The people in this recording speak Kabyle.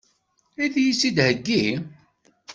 Ad iyi-tt-id-theggi?